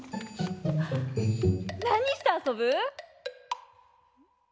なにしてあそぶ？